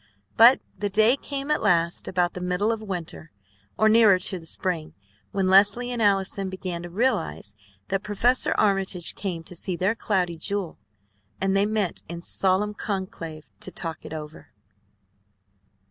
But the day came at last, about the middle of the winter, or nearer to the spring, when Leslie and Allison began to realize that Professor Armitage came to see their Cloudy Jewel, and they met in solemn conclave to talk it over.